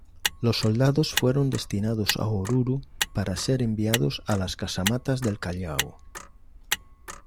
Los soldados fueron destinados a Oruro para ser enviados a las casamatas del Callao.